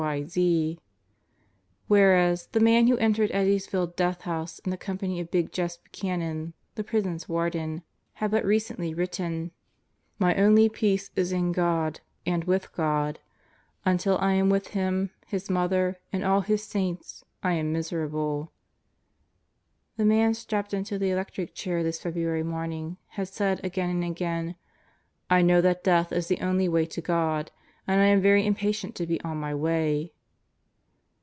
Whereas the man who entered Eddyville's Death House in the company of big Jess Buchanan, the prison's warden, had but recently written: "My only peace is in God and with God. Until I am with Him, His Mother, and all His saints, I am miserable." The man strapped into the electric chair this February morning had said again and again: "I know that death is the only way to God, and I am very impatient to be on my way."